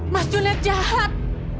mas junaid jahat